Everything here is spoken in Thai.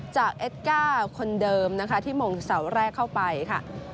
จากเอสก้าคนเดิมที่หม่อสาวแรกเข้าไปค่ะ